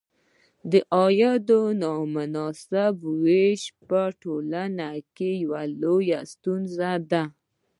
د عاید نامساوي ویش په ټولنو کې یوه لویه ستونزه ده.